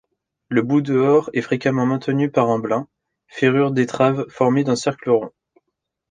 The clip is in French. Le bout-dehors est fréquemment maintenu par un blin, ferrure d'étrave formé d'un cercle rond.